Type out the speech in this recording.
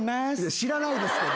知らないですけど。